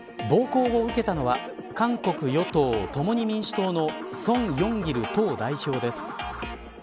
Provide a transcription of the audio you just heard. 暴行を受けたのは韓国与党、共に民主党の宋永吉党代表です。